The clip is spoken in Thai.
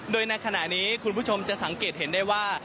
โดยในขณะนี้คุณผู้ชมจะสังเกตเห็นได้ว่า